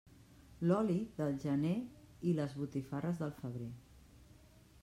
L'oli, del gener, i les botifarres, del febrer.